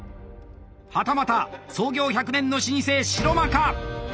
はたまた創業１００年の老舗城間か？